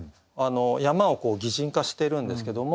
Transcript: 山を擬人化してるんですけども。